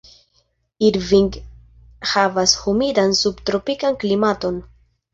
Irving havas humidan subtropikan klimaton.